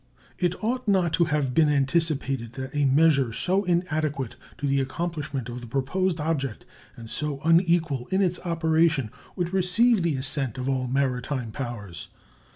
It ought not to have been anticipated that a measure so inadequate to the accomplishment of the proposed object and so unequal in its operation would receive the assent of all maritime powers.